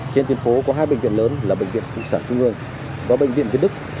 trên tuyến phố có hai bệnh viện lớn là bệnh viện phụ sản trung ương và bệnh viện việt đức